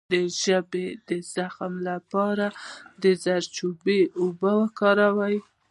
د ژبې د زخم لپاره د زردچوبې اوبه وکاروئ